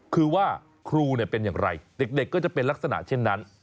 คือว่าครูเป็นอย่างไรเด็กก็จะเป็นลักษณะเช่นนั้น